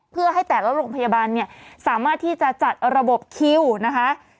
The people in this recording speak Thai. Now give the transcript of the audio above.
เพื่อให้แต่ละโรงพยาบาลเนี่ยสามารถที่จะจัดระบบคิวนะคะ